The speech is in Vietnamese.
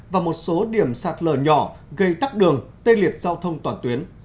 và một số điểm sạt lở nhỏ gây tắc đường tê liệt giao thông toàn tuyến